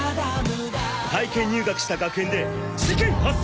体験入学した学園で事件発生！